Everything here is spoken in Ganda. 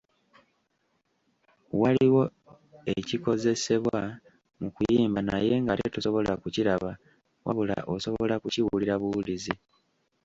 Waliwo ekikozesebwa mu kuyimba naye ng’ate tosobola kukiraba, wabula osobola kukiwulira buwulizi.